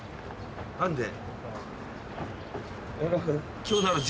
「何で」？